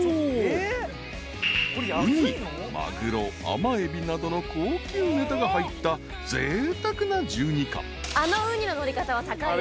［ウニマグロアマエビなどの高級ねたが入ったぜいたくな１２貫］あれヤバいね。